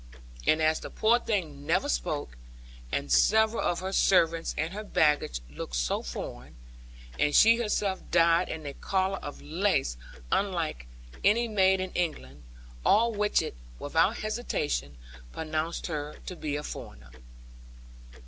And as the poor thing never spoke, and several of her servants and her baggage looked so foreign, and she herself died in a collar of lace unlike any made in England, all Watchett, without hesitation, pronounced her to be a foreigner.